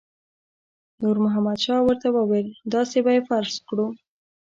نور محمد شاه ورته وویل داسې به یې فرض کړو.